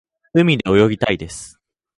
海で泳ぎたいです。